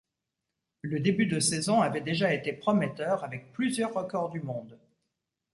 Le début de saison avait déjà été prometteur avec plusieurs records du monde.